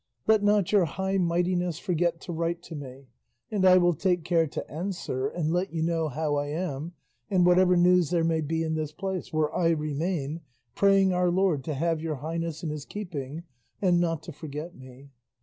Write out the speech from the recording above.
Let not your high mightiness forget to write to me; and I will take care to answer, and let you know how I am, and whatever news there may be in this place, where I remain, praying our Lord to have your highness in his keeping and not to forget me.